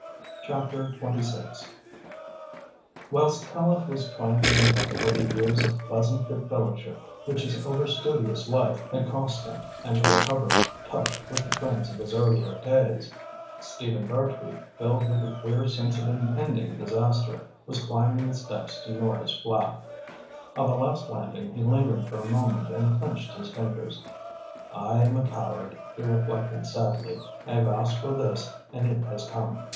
CHAPTER XII Whilst Tallente was trying to make up for the years of pleasant good fellowship which his overstudious life had cost him and to recover touch with the friends of his earlier days, Stephen Dartrey, filled with a queer sense of impending disaster, was climbing the steps to Nora's flat. On the last landing he lingered for a moment and clenched his fingers. "I am a coward," he reflected sadly. "I have asked for this and it has come."